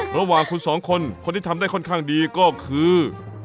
ระหว่างคุณสองคนคนที่ทำได้ค่อนข้างดีก็คือ